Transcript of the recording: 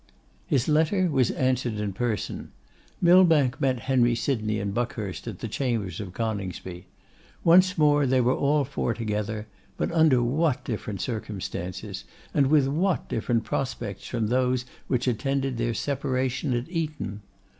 His letter was answered in person. Millbank met Henry Sydney and Buckhurst at the chambers of Coningsby. Once more they were all four together; but under what different circumstances, and with what different prospects from those which attended their separation at Eton!